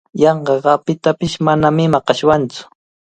Yanqaqa pitapish manami maqashwantsu.